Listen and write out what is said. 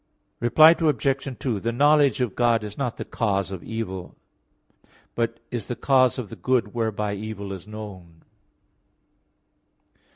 Reply Obj. 2: The knowledge of God is not the cause of evil; but is the cause of the good whereby evil is known.